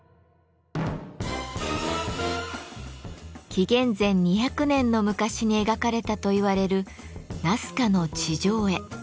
紀元前２００年の昔に描かれたといわれる「ナスカの地上絵」。